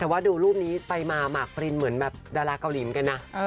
แต่ว่าดูรูปนี้ไปมาหมากปรินเหมือนแบบดาราเกาหลีเหมือนกันนะ